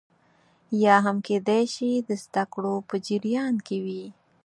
یا هم کېدای شي د زده کړو په جریان کې وي